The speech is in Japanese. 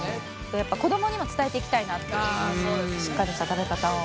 やっぱ子供にも伝えていきたいなってしっかりした食べ方を。